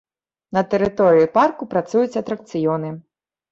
На тэрыторыі парку працуюць атракцыёны.